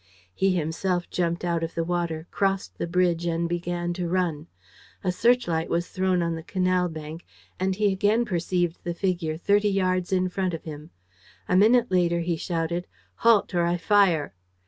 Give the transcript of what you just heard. He himself jumped out of the water, crossed the bridge and began to run. A searchlight was thrown on the canal bank and he again perceived the figure, thirty yards in front of him. A minute later, he shouted: "Halt, or I fire!"